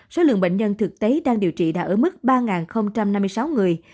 số lượng bệnh nhân thực tế đang điều trị đã ở mức ba năm mươi sáu người